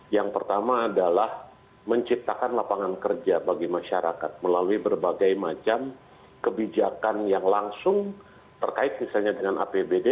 yang pertama adalah menciptakan lapangan kerja bagi masyarakat melalui berbagai macam kebijakan yang langsung terkait misalnya dengan apbd